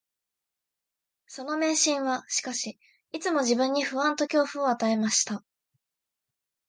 その迷信は、しかし、いつも自分に不安と恐怖を与えました